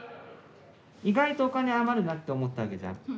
意外とお金余るなって思ったわけじゃん。